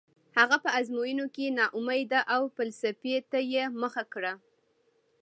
هغه په ازموینو کې ناکامېده او فلسفې ته یې مخه کړه